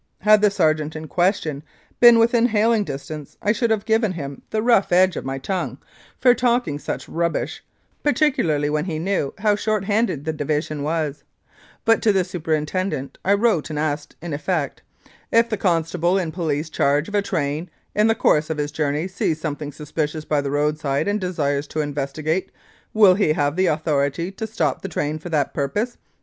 Had the sergeant in question been within hailing 'distance I should have given him the rough edge of my 278 I Incidents of Mounted Police Life tongue for talking such rubbish, particularly when he knew how short handed the Division was; but to the superintendent I wrote and asked, in effect, "If the constable in police charge of a train in the course of his journey sees something suspicious by the roadside and desires to investigate, will he have authority to stop the train for that purpose